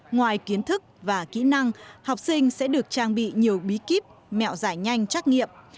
ngoài kiến thức và kỹ năng học sinh sẽ được trang bị nhiều bí kíp mẹo giải nhanh trắc nghiệm